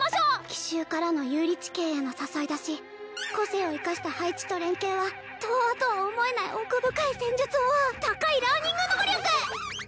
奇襲からの有利地形への誘い出し個性を生かした配置と連携は童話とは思えない奥深い戦術を高いラーニング能力！